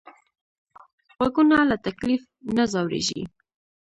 غوږونه له تکلیف نه ځورېږي